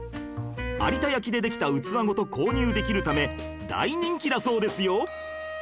有田焼でできた器ごと購入できるため大人気だそうですよ